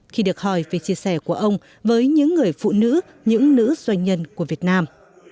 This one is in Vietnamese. khi được hỏi về chia sẻ của ông với những người phụ nữ những nữ doanh nhân của việt nam